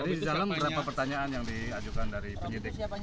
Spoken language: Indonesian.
tadi di dalam beberapa pertanyaan yang diajukan dari penyidik